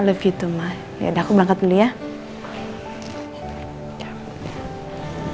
i love you too ma ya udah aku berangkat dulu ya